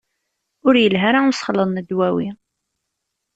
Ur ilhi ara usexleḍ n ddwawi.